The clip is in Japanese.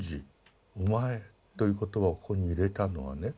「お前」という言葉をここに入れたのはね